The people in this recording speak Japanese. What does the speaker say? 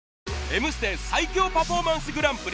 『Ｍステ』最強パフォーマンスグランプリ